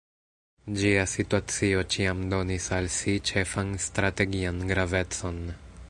Ĝia situacio ĉiam donis al si ĉefan strategian gravecon.